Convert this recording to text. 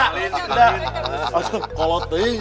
asal kolot tehnya soalnya